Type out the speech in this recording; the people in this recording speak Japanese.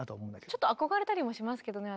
ちょっと憧れたりもしますけどね